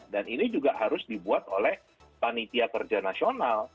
dan ini juga harus dibuat oleh panitia kerja nasional